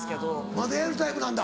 まだやるタイプなんだ。